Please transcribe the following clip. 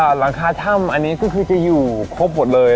หลังคาถ้ำอันนี้ก็คือจะอยู่ครบหมดเลย